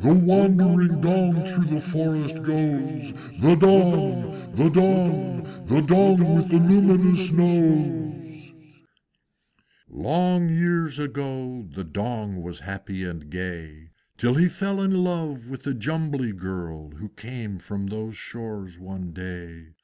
The wandering Dong through the forest goes! The Dong! the Dong! The Dong with a luminous Nose!" Long years ago The Dong was happy and gay, Till he fell in love with a Jumbly Girl Who came to those shores one day.